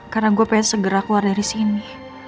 karena gue pengen segera keluar dari sini